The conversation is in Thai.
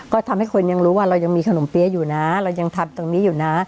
ก็ทำให้คนยังรู้ว่าเรายังมีขนมเปี๊ยะอยู่นะเรายังทำตรงนี้อยู่นะ